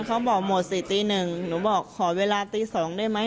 เขาบอกหมดสิตีหนึ่งหนูบอกขอเวลาตี๒ได้ไหม